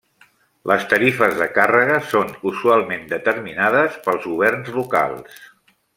Les tarifes de càrrega són usualment determinades pels governs locals.